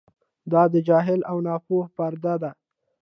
دا د جهل او ناپوهۍ پرده ده.